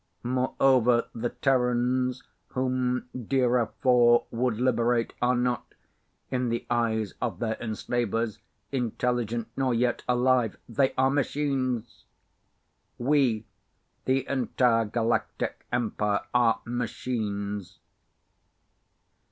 Moreover, the Terrans whom DIRA IV would liberate are not, in the eyes of their enslavers, intelligent nor yet alive. They are Machines! We, the entire Galactic Empire, are Machines.